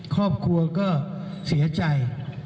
ครอบครัวก็เสียใจ